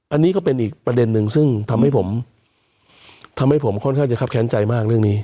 อันนี้ก็เป็นอีกประเด็นนึงซึ่งทำให้ผมทำให้ผมค่อนข้างจะครับแค้นใจมากเรื่องนี้